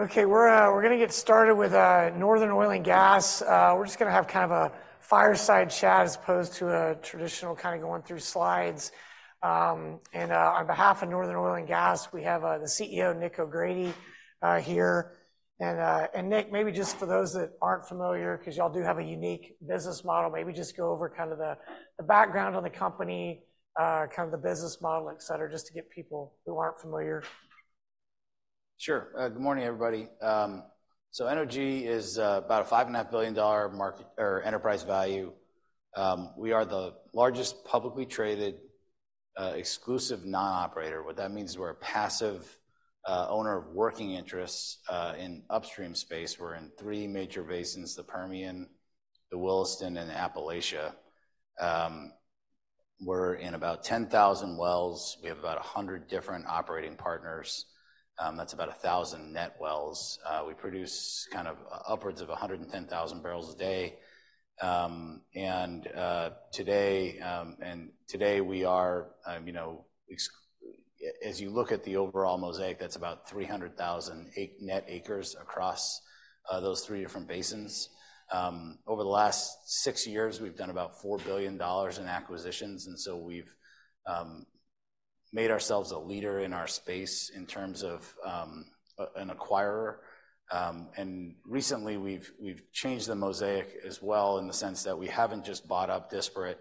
Okay, we're gonna get started with Northern Oil and Gas. We're just gonna have kind of a fireside chat as opposed to a traditional kinda going through slides. On behalf of Northern Oil and Gas, we have the CEO, Nick O'Grady here. And Nick, maybe just for those that aren't familiar, 'cause y'all do have a unique business model, maybe just go over kind of the background on the company, kind of the business model, etc, just to get people who aren't familiar. Sure. Good morning, everybody. So NOG is about a $5.5 billion market or enterprise value. We are the largest publicly traded exclusive non-operator. What that means is we're a passive owner of working interests in upstream space. We're in three major basins: the Permian, the Williston, and Appalachia. We're in about 10,000 wells. We have about 100 different operating partners. That's about 1,000 net wells. We produce kind of upwards of 110,000 barrels a day. And today we are, you know, as you look at the overall mosaic, that's about 300,000 net acres across those three different basins. Over the last six years, we've done about $4 billion in acquisitions, and so we've made ourselves a leader in our space in terms of an acquirer. And recently, we've changed the mosaic as well in the sense that we haven't just bought up disparate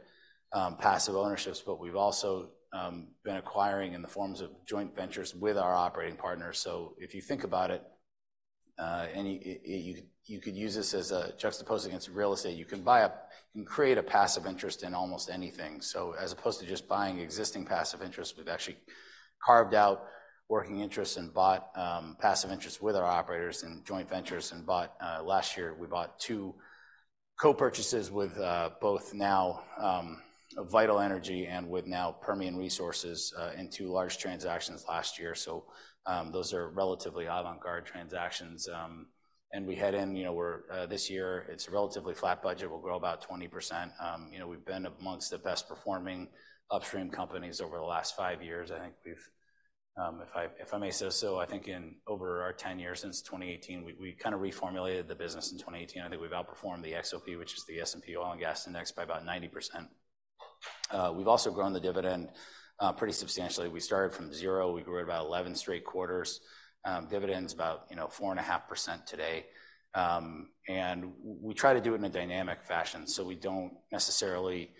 passive ownerships, but we've also been acquiring in the forms of joint ventures with our operating partners. So if you think about it, and you could use this as a juxtaposed against real estate, you can buy up and create a passive interest in almost anything. So as opposed to just buying existing passive interest, we've actually carved out working interest and bought passive interest with our operators in joint ventures and bought. Last year, we bought two co-purchases with, both now, Vital Energy and with now Permian Resources, in two large transactions last year. So, those are relatively avant-garde transactions. And we head in, you know, we're, this year, it's a relatively flat budget. We'll grow about 20%. You know, we've been amongst the best performing upstream companies over the last 5 years. I think we've, if I, if I may say so, I think in over our 10 years, since 2018, we, we kinda reformulated the business in 2018. I think we've outperformed the XOP, which is the S&P Oil and Gas Index, by about 90%. We've also grown the dividend, pretty substantially. We started from zero. We grew at about 11 straight quarters. Dividend's about, you know, 4.5% today. And we try to do it in a dynamic fashion, so we don't necessarily,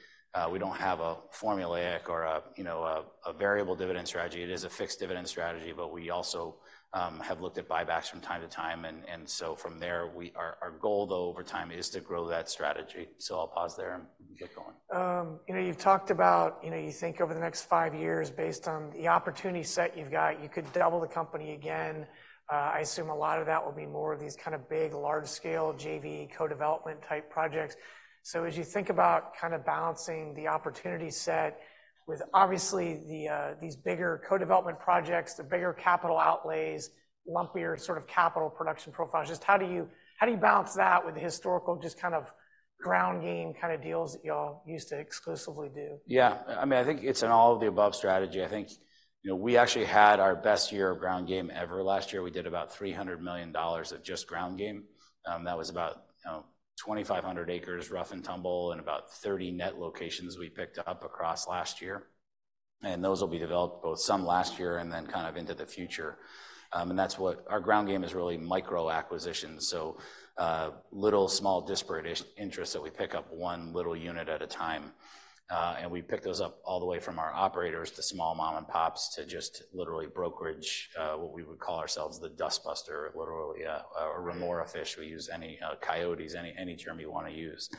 we don't have a formulaic or, you know, a variable dividend strategy. It is a fixed dividend strategy, but we also have looked at buybacks from time to time, and so from there, we... Our goal, though, over time, is to grow that strategy. So I'll pause there and get going. You know, you've talked about, you know, you think over the next five years, based on the opportunity set you've got, you could double the company again. I assume a lot of that will be more of these kinda big, large-scale JV co-development type projects. So as you think about kinda balancing the opportunity set with obviously the, these bigger co-development projects, the bigger capital outlays, lumpier sort of capital production profiles, just how do you, how do you balance that with the historical just kind of ground game kinda deals that y'all used to exclusively do? Yeah, I mean, I think it's an all-of-the-above strategy. I think, you know, we actually had our best year of ground game ever. Last year, we did about $300 million of just ground game. That was about, you know, 2,500 acres, rough and tumble, and about 30 net locations we picked up across last year. And those will be developed, both some last year and then kind of into the future. And that's what-- Our ground game is really micro acquisitions, so, little, small, disparate interests that we pick up one little unit at a time. And we pick those up all the way from our operators to small mom and pops, to just literally brokerage, what we would call ourselves the Dustbuster, literally, or remora fish. We use any coyotes, any term you wanna use.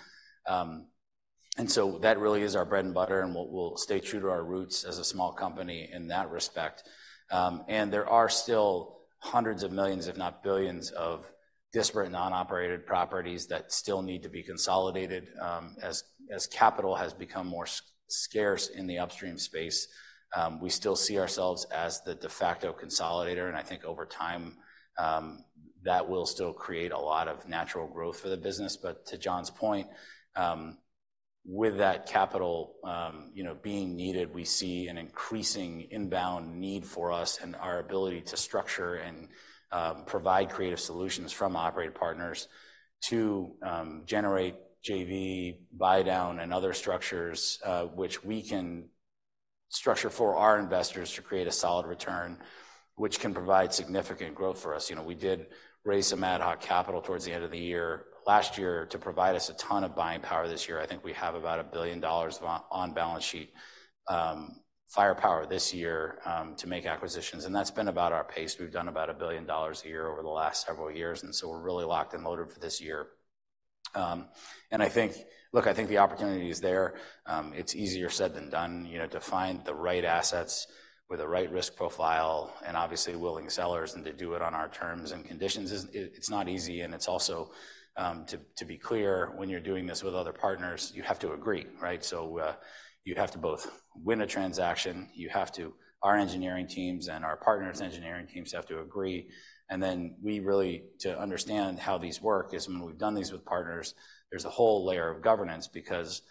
And so that really is our bread and butter, and we'll stay true to our roots as a small company in that respect. And there are still hundreds of millions, if not billions, of disparate non-operated properties that still need to be consolidated, as capital has become more scarce in the upstream space. We still see ourselves as the de facto consolidator, and I think over time, that will still create a lot of natural growth for the business. But to John's point, with that capital, you know, being needed, we see an increasing inbound need for us and our ability to structure and provide creative solutions from operated partners to generate JV, buy down, and other structures, which we can structure for our investors to create a solid return, which can provide significant growth for us. You know, we did raise some ad hoc capital towards the end of the year, last year, to provide us a ton of buying power this year. I think we have about $1 billion of on-balance sheet firepower this year to make acquisitions, and that's been about our pace. We've done about $1 billion a year over the last several years, and so we're really locked and loaded for this year. And I think... Look, I think the opportunity is there. It's easier said than done, you know, to find the right assets with the right risk profile and obviously willing sellers, and to do it on our terms and conditions. It's not easy, and it's also to be clear, when you're doing this with other partners, you have to agree, right? So, you have to both win a transaction. You have to... Our engineering teams and our partners' engineering teams have to agree. And then, really, to understand how these work is when we've done these with partners. There's a whole layer of governance because...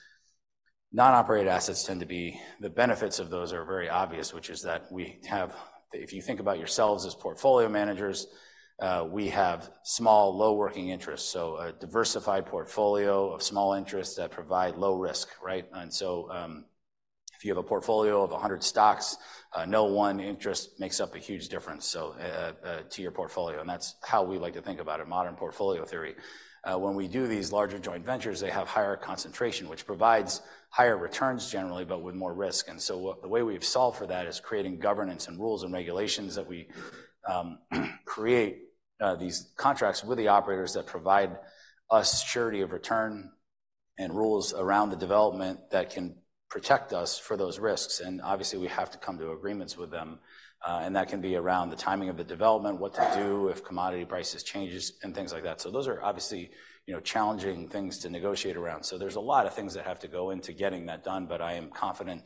Non-operated assets tend to be, the benefits of those are very obvious, which is that we have, if you think about yourselves as portfolio managers, we have small, low working interests, so a diversified portfolio of small interests that provide low risk, right? And so, if you have a portfolio of 100 stocks, no one interest makes up a huge difference to your portfolio, and that's how we like to think about it, Modern Portfolio Theory. When we do these larger joint ventures, they have higher concentration, which provides higher returns generally, but with more risk. And so, the way we've solved for that is creating governance and rules and regulations that we create these contracts with the operators that provide us surety of return and rules around the development that can protect us for those risks. And obviously, we have to come to agreements with them and that can be around the timing of the development, what to do if commodity prices changes, and things like that. So those are obviously, you know, challenging things to negotiate around. So there's a lot of things that have to go into getting that done, but I am confident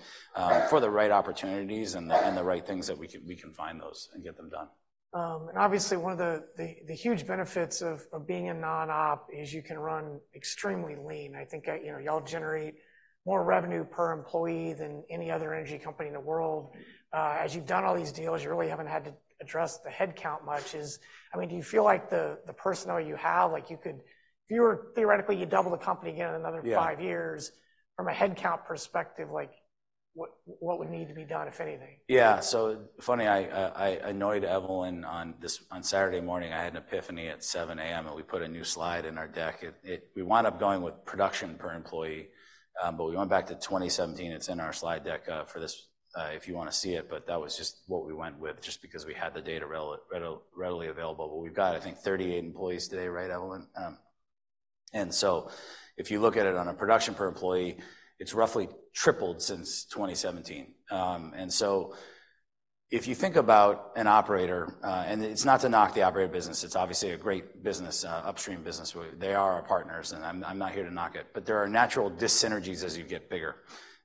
for the right opportunities and the right things that we can find those and get them done. And obviously, one of the huge benefits of being a non-op is you can run extremely lean. I think, you know, y'all generate more revenue per employee than any other energy company in the world. As you've done all these deals, you really haven't had to address the headcount much. I mean, do you feel like the personnel you have, like you could, if you were, theoretically, you double the company again in another- Yeah... five years, from a headcount perspective, like, what, what would need to be done, if anything? Yeah. So funny, I annoyed Evelyn on this on Saturday morning. I had an epiphany at 7 A.M., and we put a new slide in our deck. We wound up going with production per employee, but we went back to 2017. It's in our slide deck for this if you want to see it, but that was just what we went with just because we had the data readily available. But we've got, I think, 38 employees today, right, Evelyn? And so if you look at it on a production per employee, it's roughly tripled since 2017. And so if you think about an operator, and it's not to knock the operator business, it's obviously a great business, upstream business. They are our partners, and I'm not here to knock it. But there are natural dis-synergies as you get bigger,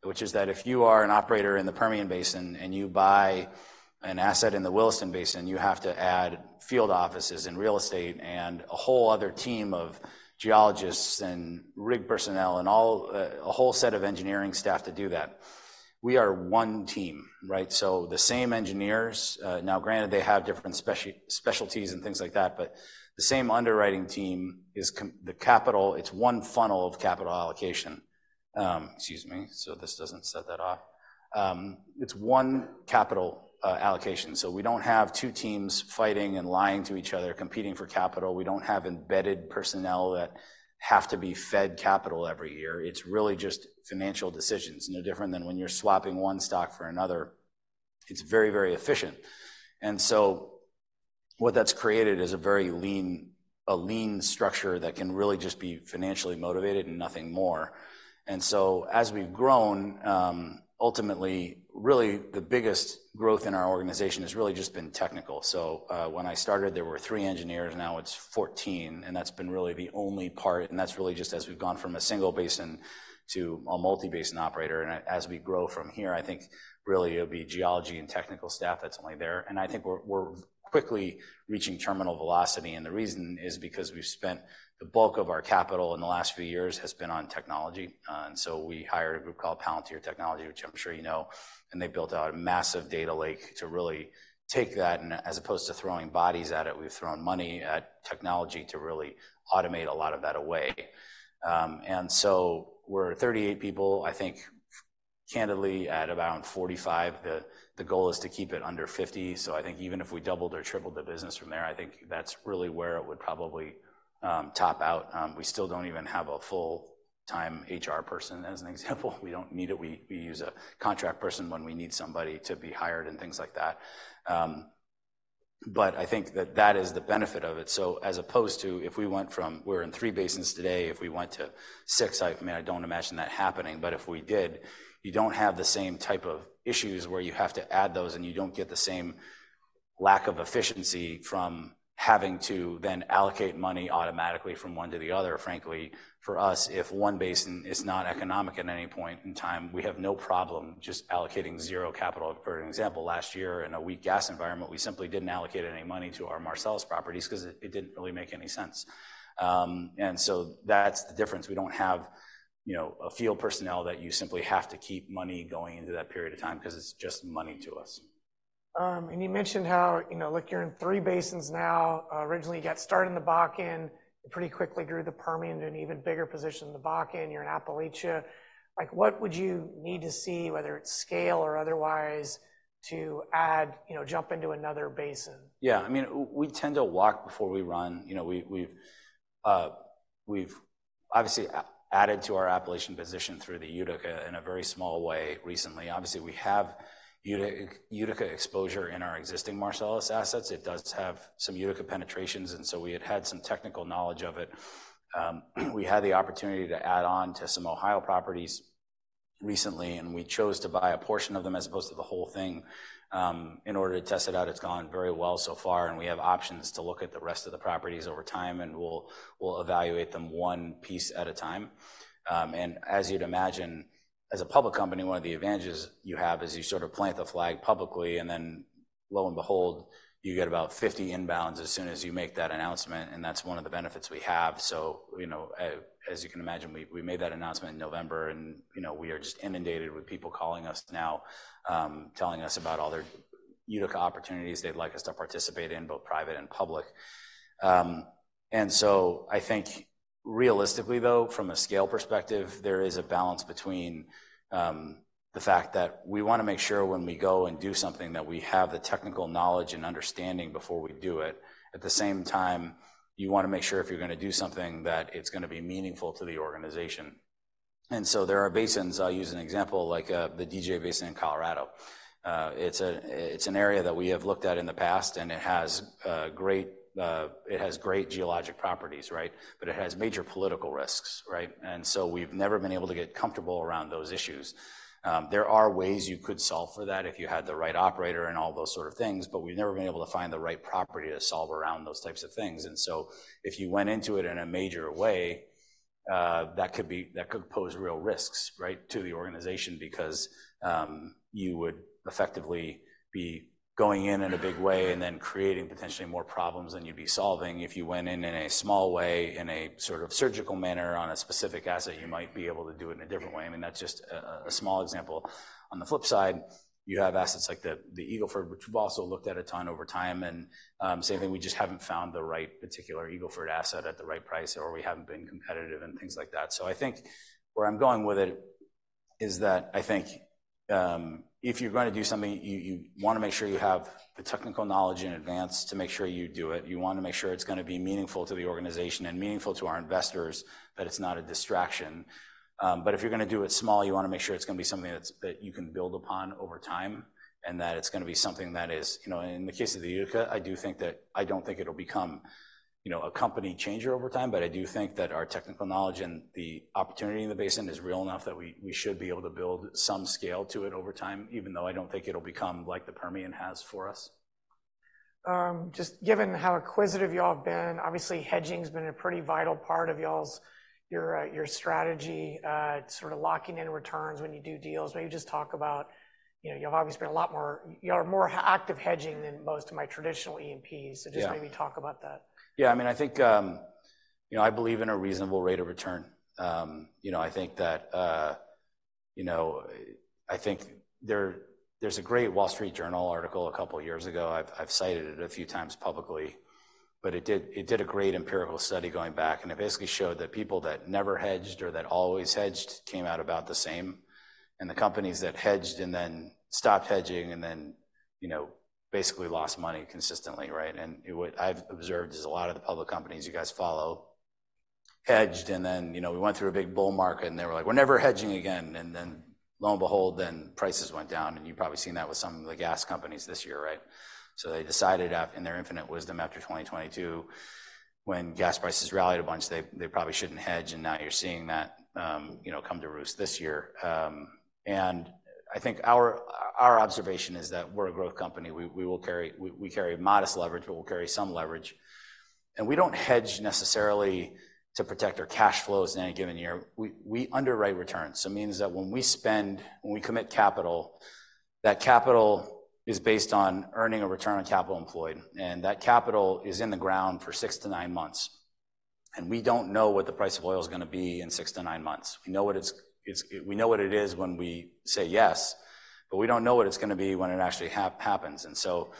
which is that if you are an operator in the Permian Basin, and you buy an asset in the Williston Basin, you have to add field offices and real estate and a whole other team of geologists and rig personnel and all, a whole set of engineering staff to do that. We are one team, right? So the same engineers, now, granted, they have different specialties and things like that, but the same underwriting team is the capital, it's one funnel of capital allocation. Excuse me, so this doesn't set that off. It's one capital allocation, so we don't have two teams fighting and lying to each other, competing for capital. We don't have embedded personnel that have to be fed capital every year. It's really just financial decisions, no different than when you're swapping one stock for another. It's very, very efficient. And so what that's created is a very lean, a lean structure that can really just be financially motivated and nothing more. And so as we've grown, ultimately, really the biggest growth in our organization has really just been technical. So, when I started, there were three engineers, now it's 14, and that's been really the only part, and that's really just as we've gone from a single basin to a multi-basin operator. And as we grow from here, I think really it'll be geology and technical staff that's only there. And I think we're quickly reaching terminal velocity, and the reason is because we've spent the bulk of our capital in the last few years has been on technology. And so we hired a group called Palantir Technologies, which I'm sure you know, and they built out a massive data lake to really take that, and as opposed to throwing bodies at it, we've thrown money at technology to really automate a lot of that away. And so we're 38 people, I think, candidly, at around 45; the goal is to keep it under 50. So I think even if we doubled or tripled the business from there, I think that's really where it would probably top out. We still don't even have a full-time HR person, as an example. We don't need it. We use a contract person when we need somebody to be hired and things like that. But I think that is the benefit of it. So as opposed to, if we went from, we're in three basins today, if we went to six, I mean, I don't imagine that happening, but if we did, you don't have the same type of issues where you have to add those, and you don't get the same lack of efficiency from having to then allocate money automatically from one to the other. Frankly, for us, if one basin is not economic at any point in time, we have no problem just allocating zero capital. For an example, last year, in a weak gas environment, we simply didn't allocate any money to our Marcellus properties 'cause it didn't really make any sense. And so that's the difference. We don't have, you know, a field personnel that you simply have to keep money going into that period of time 'cause it's just money to us. You mentioned how, you know, like you're in three basins now. Originally, you got started in the Bakken, pretty quickly grew the Permian to an even bigger position than the Bakken. You're in Appalachia. Like, what would you need to see, whether it's scale or otherwise, to add, you know, jump into another basin? Yeah. I mean, we tend to walk before we run. You know, we've obviously added to our Appalachia position through the Utica in a very small way recently. Obviously, we have Utica exposure in our existing Marcellus assets. It does have some Utica penetrations, and so we had had some technical knowledge of it. We had the opportunity to add on to some Ohio properties recently, and we chose to buy a portion of them as opposed to the whole thing, in order to test it out. It's gone very well so far, and we have options to look at the rest of the properties over time, and we'll evaluate them one piece at a time. And as you'd imagine, as a public company, one of the advantages you have is you sort of plant the flag publicly and then-... Lo and behold, you get about 50 inbounds as soon as you make that announcement, and that's one of the benefits we have. So, you know, as you can imagine, we, we made that announcement in November and, you know, we are just inundated with people calling us now, telling us about all their Utica opportunities they'd like us to participate in, both private and public. And so I think realistically, though, from a scale perspective, there is a balance between the fact that we wanna make sure when we go and do something, that we have the technical knowledge and understanding before we do it. At the same time, you wanna make sure if you're gonna do something, that it's gonna be meaningful to the organization. And so there are basins, I'll use an example, like the DJ Basin in Colorado. It's an area that we have looked at in the past, and it has great geologic properties, right? But it has major political risks, right? And so we've never been able to get comfortable around those issues. There are ways you could solve for that if you had the right operator and all those sort of things, but we've never been able to find the right property to solve around those types of things. And so if you went into it in a major way, that could pose real risks, right, to the organization because you would effectively be going in in a big way and then creating potentially more problems than you'd be solving. If you went in in a small way, in a sort of surgical manner on a specific asset, you might be able to do it in a different way. I mean, that's just a small example. On the flip side, you have assets like the Eagle Ford, which we've also looked at a ton over time, and same thing, we just haven't found the right particular Eagle Ford asset at the right price, or we haven't been competitive and things like that. So I think where I'm going with it is that I think, if you're going to do something, you wanna make sure you have the technical knowledge in advance to make sure you do it. You wanna make sure it's gonna be meaningful to the organization and meaningful to our investors, that it's not a distraction. But if you're gonna do it small, you wanna make sure it's gonna be something that you can build upon over time, and that it's gonna be something that is... You know, in the case of the Utica, I do think that I don't think it'll become, you know, a company changer over time, but I do think that our technical knowledge and the opportunity in the basin is real enough that we should be able to build some scale to it over time, even though I don't think it'll become like the Permian has for us. Just given how acquisitive y'all have been, obviously, hedging's been a pretty vital part of y'all's, your, your strategy, sort of locking in returns when you do deals. Maybe just talk about, you know, you've obviously been a lot more you are more active hedging than most of my traditional E&Ps. Yeah. Just maybe talk about that. Yeah, I mean, I think, you know, I believe in a reasonable rate of return. You know, I think that, you know... I think there, there's a great Wall Street Journal article a couple of years ago. I've, I've cited it a few times publicly, but it did, it did a great empirical study going back, and it basically showed that people that never hedged or that always hedged came out about the same, and the companies that hedged and then stopped hedging and then, you know, basically lost money consistently, right? I've observed is a lot of the public companies you guys follow hedged, and then, you know, we went through a big bull market, and they were like: "We're never hedging again." And then, lo and behold, then prices went down, and you've probably seen that with some of the gas companies this year, right? So they decided in their infinite wisdom, after 2022, when gas prices rallied a bunch, they probably shouldn't hedge, and now you're seeing that, you know, come to roost this year. And I think our observation is that we're a growth company. We will carry-- we carry modest leverage, but we'll carry some leverage. And we don't hedge necessarily to protect our cash flows in any given year. We, we underwrite returns, so it means that when we spend, when we commit capital, that capital is based on earning a return on capital employed, and that capital is in the ground for 6-9 months, and we don't know what the price of oil is gonna be in 6-9 months. We know what it's-- we know what it is when we say yes, but we don't know what it's gonna be when it actually happens. And so,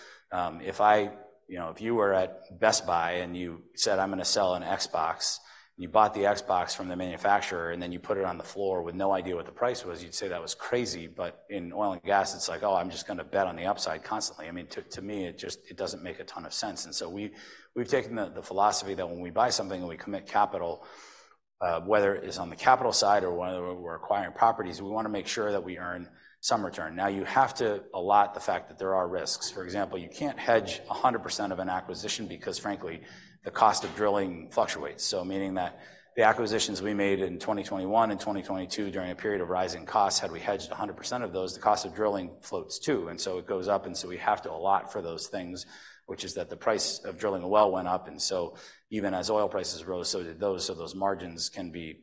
if I... You know, if you were at Best Buy and you said, "I'm gonna sell an Xbox," you bought the Xbox from the manufacturer, and then you put it on the floor with no idea what the price was, you'd say that was crazy. But in oil and gas, it's like, "Oh, I'm just gonna bet on the upside constantly." I mean, to me, it just doesn't make a ton of sense. And so we've taken the philosophy that when we buy something and we commit capital, whether it is on the capital side or whether we're acquiring properties, we wanna make sure that we earn some return. Now, you have to allot the fact that there are risks. For example, you can't hedge 100% of an acquisition because, frankly, the cost of drilling fluctuates. So meaning that the acquisitions we made in 2021 and 2022 during a period of rising costs, had we hedged 100% of those, the cost of drilling floats too, and so it goes up, and so we have to allot for those things, which is that the price of drilling a well went up. And so even as oil prices rose, so did those, so those margins can be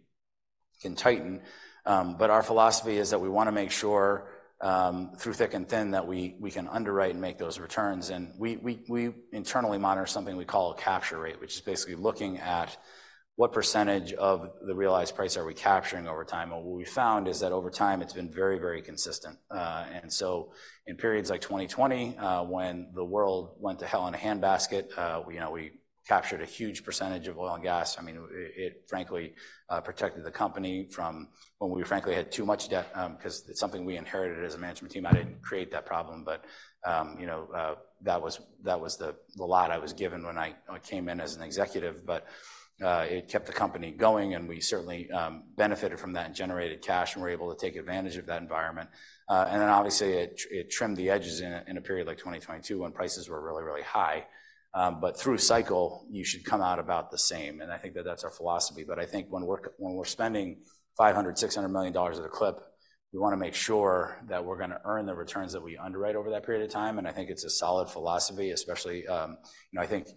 can tighten. But our philosophy is that we wanna make sure, through thick and thin, that we can underwrite and make those returns. And we internally monitor something we call a capture rate, which is basically looking at what % of the realized price are we capturing over time. And what we found is that over time, it's been very, very consistent. And so in periods like 2020, when the world went to hell in a handbasket, we, you know, we captured a huge percentage of oil and gas. I mean, it frankly protected the company from when we frankly had too much debt, 'cause it's something we inherited as a management team. I didn't create that problem, but, you know, that was the lot I was given when I came in as an executive. But it kept the company going, and we certainly benefited from that and generated cash and were able to take advantage of that environment. And then obviously, it trimmed the edges in a period like 2022, when prices were really, really high. But through a cycle, you should come out about the same, and I think that that's our philosophy. But I think when we're when we're spending $500-$600 million at a clip, we wanna make sure that we're gonna earn the returns that we underwrite over that period of time, and I think it's a solid philosophy, especially, you know, I think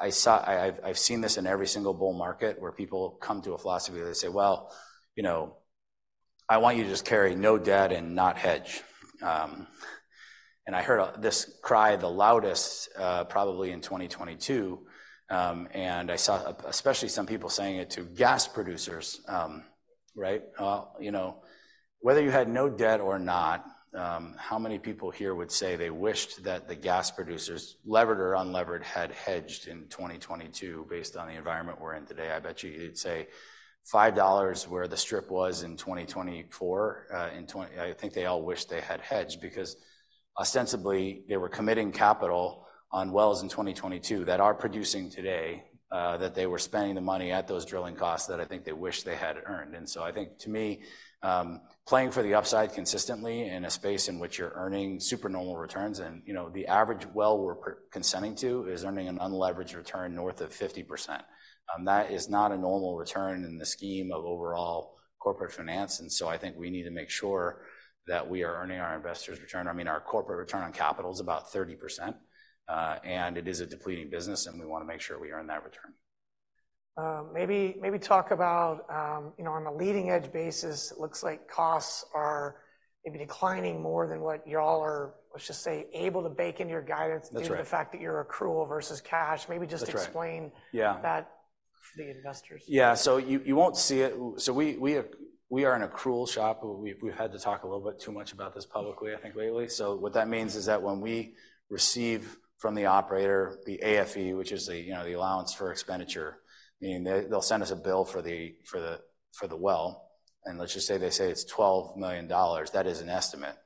I saw-- I, I've, I've seen this in every single bull market where people come to a philosophy, they say, "Well, you know I want you to just carry no debt and not hedge. And I heard this cry the loudest, probably in 2022. And I saw, especially some people saying it to gas producers, right? You know, whether you had no debt or not, how many people here would say they wished that the gas producers, levered or unlevered, had hedged in 2022 based on the environment we're in today? I bet you'd say $5 where the strip was in 2024. In 2022, I think they all wish they had hedged, because ostensibly they were committing capital on wells in 2022 that are producing today, that they were spending the money at those drilling costs that I think they wish they had earned. And so I think, to me, playing for the upside consistently in a space in which you're earning supernormal returns, and, you know, the average well we're consenting to is earning an unleveraged return north of 50%. That is not a normal return in the scheme of overall corporate finance, and so I think we need to make sure that we are earning our investors' return. I mean, our corporate return on capital is about 30%, and it is a depleting business, and we want to make sure we earn that return. Maybe, maybe talk about, you know, on a leading-edge basis, it looks like costs are maybe declining more than what y'all are, let's just say, able to bake in your guidance- That's right. due to the fact that you're accrual versus cash. That's right. Maybe just explain- Yeah... that to the investors. Yeah, so you won't see it. So we are an accrual shop, but we've had to talk a little bit too much about this publicly, I think, lately. So what that means is that when we receive from the operator the AFE, which is the, you know, the allowance for expenditure, meaning they'll send us a bill for the well, and let's just say, they say it's $12 million. That is an estimate,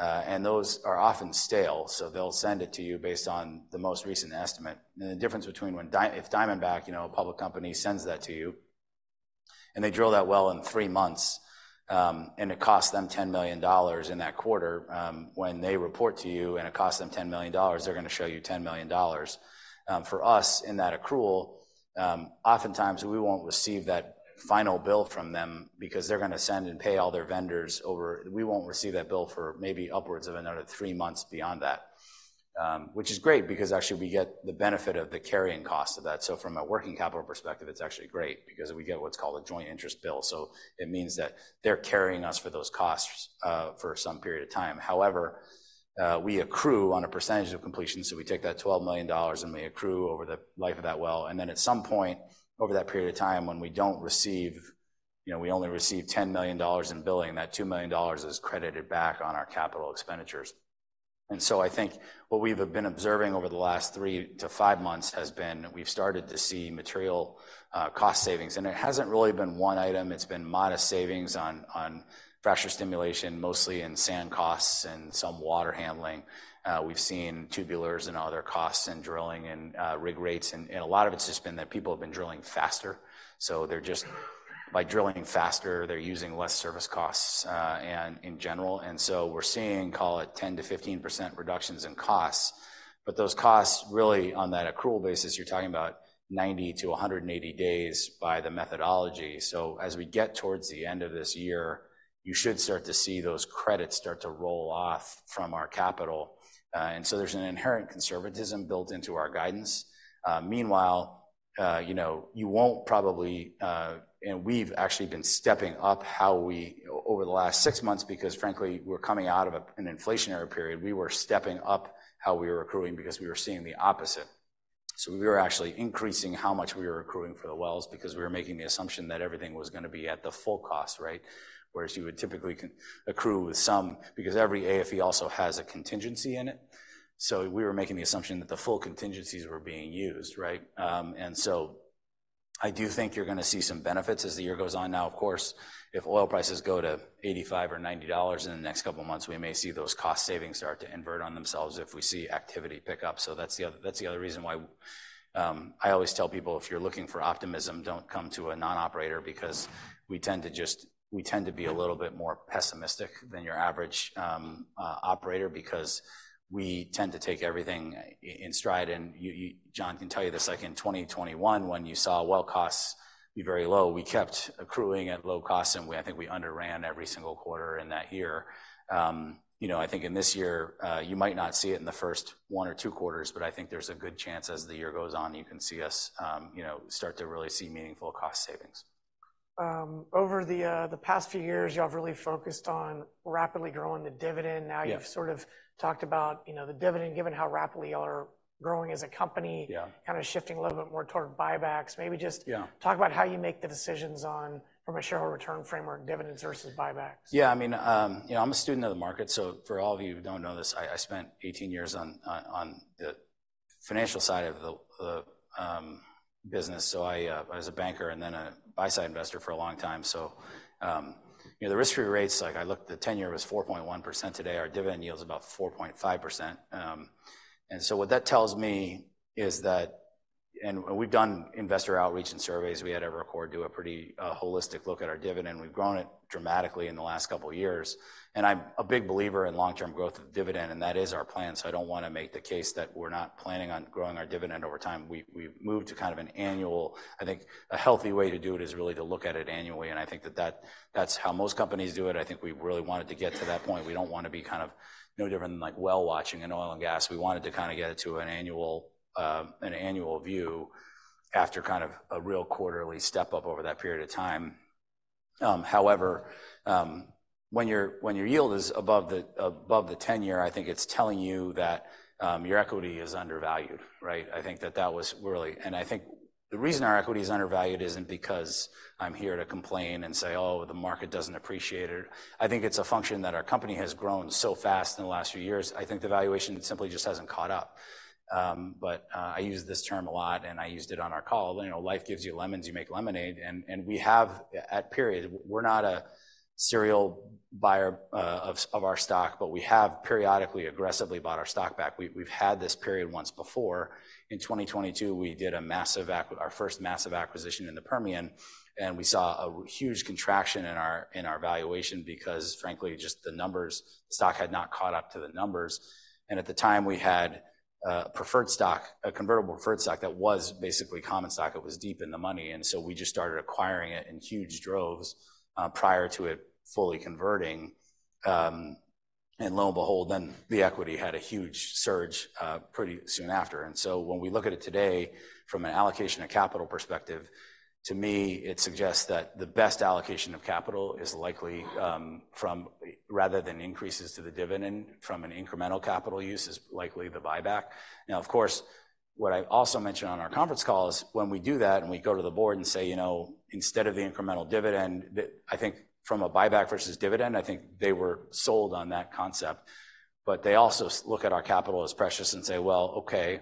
and those are often stale, so they'll send it to you based on the most recent estimate. The difference between when if Diamondback, you know, a public company, sends that to you, and they drill that well in three months, and it costs them $10 million in that quarter, when they report to you and it costs them $10 million, they're gonna show you $10 million. For us, in that accrual, oftentimes, we won't receive that final bill from them because they're gonna send and pay all their vendors over. We won't receive that bill for maybe upwards of another three months beyond that. Which is great because actually we get the benefit of the carrying cost of that. So from a working capital perspective, it's actually great because we get what's called a joint interest bill. So it means that they're carrying us for those costs, for some period of time. However, we accrue on a percentage of completion, so we take that $12 million, and we accrue over the life of that well. And then at some point over that period of time, when we don't receive—you know, we only receive $10 million in billing, that $2 million is credited back on our capital expenditures. And so I think what we've been observing over the last 3-5 months has been, we've started to see material cost savings, and it hasn't really been one item. It's been modest savings on fracture stimulation, mostly in sand costs and some water handling. We've seen tubulars and other costs in drilling and rig rates, and a lot of it's just been that people have been drilling faster. So they're just, by drilling faster, they're using less service costs, and in general. And so we're seeing, call it 10%-15% reductions in costs, but those costs really, on that accrual basis, you're talking about 90-180 days by the methodology. So as we get towards the end of this year, you should start to see those credits start to roll off from our capital. And so there's an inherent conservatism built into our guidance. Meanwhile, you know, you won't probably... And we've actually been stepping up how we, over the last 6 months, because frankly, we're coming out of an inflationary period. We were stepping up how we were accruing because we were seeing the opposite. So we were actually increasing how much we were accruing for the wells because we were making the assumption that everything was gonna be at the full cost, right? Whereas you would typically accrue with some, because every AFE also has a contingency in it. So we were making the assumption that the full contingencies were being used, right? And so I do think you're gonna see some benefits as the year goes on. Now, of course, if oil prices go to $85 or $90 in the next couple of months, we may see those cost savings start to invert on themselves if we see activity pick up. So that's the other, that's the other reason why, I always tell people, "If you're looking for optimism, don't come to a non-operator," because we tend to just be a little bit more pessimistic than your average operator because we tend to take everything in stride. And you, John can tell you this, like in 2021, when you saw well costs be very low, we kept accruing at low costs, and I think we underran every single quarter in that year. You know, I think in this year, you might not see it in the first one or two quarters, but I think there's a good chance as the year goes on, you can see us, you know, start to really see meaningful cost savings. Over the past few years, y'all have really focused on rapidly growing the dividend. Yeah. Now, you've sort of talked about, you know, the dividend, given how rapidly y'all are growing as a company- Yeah... kind of shifting a little bit more toward buybacks. Maybe just- Yeah... talk about how you make the decisions on, from a shareholder return framework, dividends versus buybacks? Yeah, I mean, you know, I'm a student of the market, so for all of you who don't know this, I spent 18 years on the financial side of the business. So I was a banker and then a buy-side investor for a long time. So, you know, the risk-free rates, like I looked, the 10-year was 4.1%. Today, our dividend yield is about 4.5%. And so what that tells me is that... And we've done investor outreach and surveys. We had Evercore do a pretty holistic look at our dividend. We've grown it dramatically in the last couple of years, and I'm a big believer in long-term growth of dividend, and that is our plan. So I don't wanna make the case that we're not planning on growing our dividend over time. We've moved to kind of an annual... I think a healthy way to do it is really to look at it annually, and I think that's how most companies do it. I think we really wanted to get to that point. We don't want to be kind of no different than, like, well watching in oil and gas. We wanted to kinda get it to an annual view after kind of a real quarterly step-up over that period of time.... However, when your yield is above the 10-year, I think it's telling you that your equity is undervalued, right? I think that that was really. And I think the reason our equity is undervalued isn't because I'm here to complain and say, "Oh, the market doesn't appreciate it." I think it's a function that our company has grown so fast in the last few years. I think the valuation simply just hasn't caught up. But I use this term a lot, and I used it on our call. You know, life gives you lemons, you make lemonade, and we have at period, we're not a serial buyer of our stock, but we have periodically, aggressively bought our stock back. We've had this period once before. In 2022, we did a massive acquisition, our first massive acquisition in the Permian, and we saw a huge contraction in our valuation because, frankly, just the numbers, stock had not caught up to the numbers. And at the time, we had preferred stock, a convertible preferred stock that was basically common stock. It was deep in the money, and so we just started acquiring it in huge droves prior to it fully converting. And lo and behold, then the equity had a huge surge pretty soon after. And so when we look at it today from an allocation of capital perspective, to me, it suggests that the best allocation of capital is likely from rather than increases to the dividend from an incremental capital use, is likely the buyback. Now, of course, what I also mentioned on our conference call is when we do that and we go to the board and say, "You know, instead of the incremental dividend," I think from a buyback versus dividend, I think they were sold on that concept, but they also look at our capital as precious and say: "Well, okay,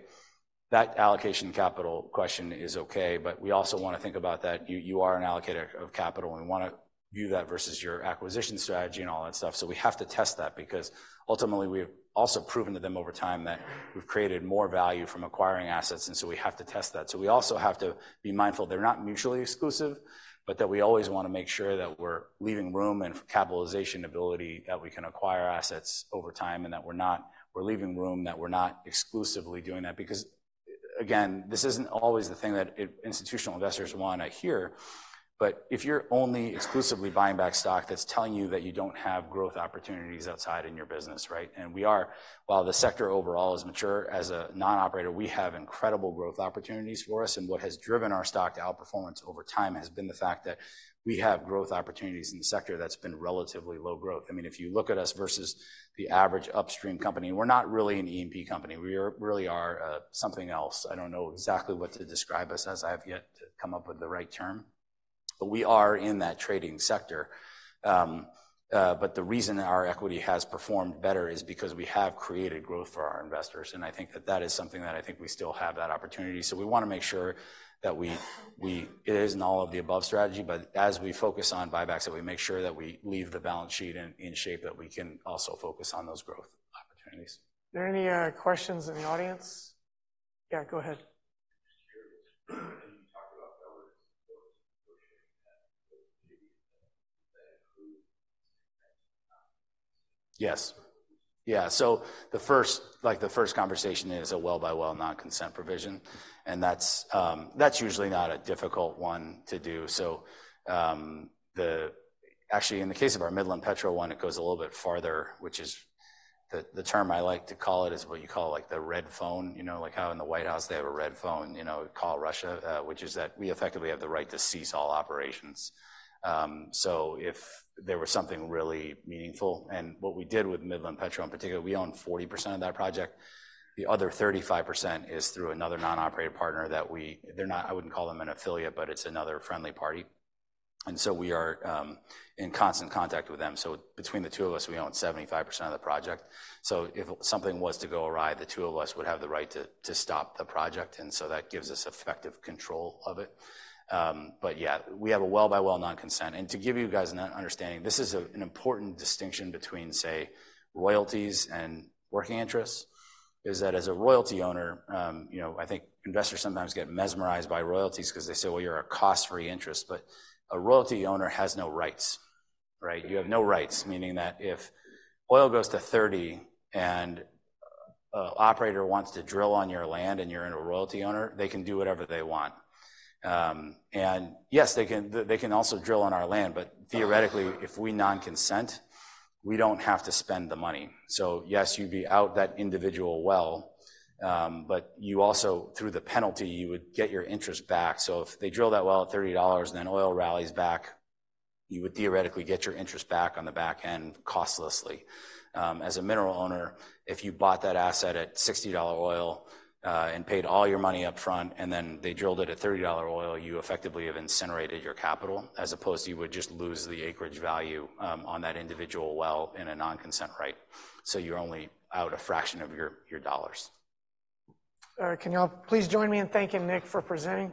that allocation capital question is okay, but we also want to think about that you, you are an allocator of capital, and we wanna view that versus your acquisition strategy and all that stuff." So we have to test that because ultimately, we've also proven to them over time that we've created more value from acquiring assets, and so we have to test that. So we also have to be mindful they're not mutually exclusive, but that we always wanna make sure that we're leaving room and capitalization ability, that we can acquire assets over time, and that we're not - we're leaving room, that we're not exclusively doing that. Because, again, this isn't always the thing that institutional investors wanna hear, but if you're only exclusively buying back stock, that's telling you that you don't have growth opportunities outside in your business, right? And we are... While the sector overall is mature, as a non-operator, we have incredible growth opportunities for us, and what has driven our stock to outperformance over time has been the fact that we have growth opportunities in the sector that's been relatively low growth. I mean, if you look at us versus the average upstream company, we're not really an E&P company. We are, really are, something else. I don't know exactly what to describe us as. I have yet to come up with the right term, but we are in that trading sector. But the reason our equity has performed better is because we have created growth for our investors, and I think that that is something that I think we still have that opportunity. So we wanna make sure that we, we-- it is an all-of-the-above strategy, but as we focus on buybacks, that we make sure that we leave the balance sheet in, in shape, that we can also focus on those growth opportunities. Are there any questions in the audience? Yeah, go ahead. Sure. When you talk about those negotiations that include. Yes. Yeah, so the first, like, the first conversation is a well-by-well non-consent provision, and that's, that's usually not a difficult one to do. So, the-- Actually, in the case of our Midland-Petro one, it goes a little bit farther, which is... The, the term I like to call it is what you call, like, the red phone. You know, like how in the White House, they have a red phone, you know, call Russia, which is that we effectively have the right to cease all operations, so if there was something really meaningful. And what we did with Midland-Petro in particular, we own 40% of that project. The other 35% is through another non-operated partner that we-- They're not-- I wouldn't call them an affiliate, but it's another friendly party. And so we are, in constant contact with them. So between the two of us, we own 75% of the project. So if something was to go awry, the two of us would have the right to stop the project, and so that gives us effective control of it. But yeah, we have a well-by-well non-consent. And to give you guys an understanding, this is an important distinction between, say, royalties and working interests, is that as a royalty owner, you know, I think investors sometimes get mesmerized by royalties 'cause they say: "Well, you're a cost-free interest," but a royalty owner has no rights, right? You have no rights, meaning that if oil goes to $30 and an operator wants to drill on your land and you're in a royalty owner, they can do whatever they want. And yes, they can, they can also drill on our land, but theoretically, if we non-consent, we don't have to spend the money. So yes, you'd be out that individual well, but you also, through the penalty, you would get your interest back. So if they drill that well at $30 and then oil rallies back, you would theoretically get your interest back on the back end costlessly. As a mineral owner, if you bought that asset at $60 oil, and paid all your money up front, and then they drilled it at $30 oil, you effectively have incinerated your capital, as opposed to you would just lose the acreage value, on that individual well in a non-consent right. So you're only out a fraction of your, your dollars. Can you all please join me in thanking Nick for presenting?